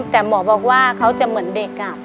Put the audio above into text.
แต่หมอบอกว่าเขาจะเหมือนเด็ก